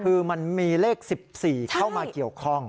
คือมันมีเลข๑๔เข้ามาเกี่ยวข้อง